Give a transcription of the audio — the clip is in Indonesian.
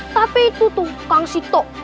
tapi itu tuh kang sikto